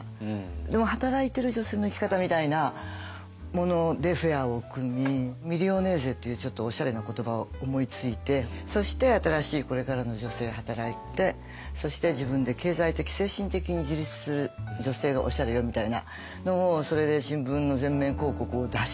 でも働いてる女性の生き方みたいなものでフェアを組み「ミリオネーゼ」っていうちょっとおしゃれな言葉を思いついてそして新しいこれからの女性は働いてそして自分で経済的精神的に自立する女性がおしゃれよみたいなのをそれで新聞の全面広告を出し。